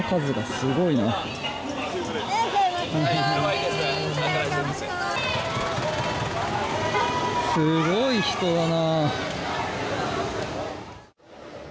すごい人だな。